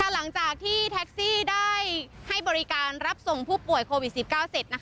หลังจากที่แท็กซี่ได้ให้บริการรับส่งผู้ป่วยโควิด๑๙เสร็จ